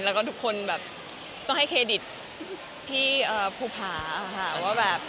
แล้วทุกคนต้องให้เครดิตที่ภูผาย